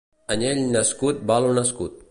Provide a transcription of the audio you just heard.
Anyell nascut val un escut.